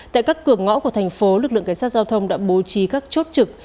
tại các cửa ngõ của thành phố lực lượng cảnh sát giao thông đã bố trí các chốt trực